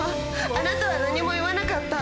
あなたは何も言わなかった。